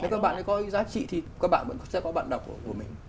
đúng không ạ nếu các bạn có giá trị thì các bạn sẽ có bản đọc của mình